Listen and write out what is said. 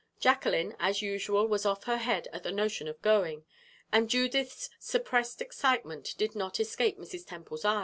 Jacqueline, as usual, was off her head at the notion of going, and Judith's suppressed excitement did not escape Mrs. Temple's eye.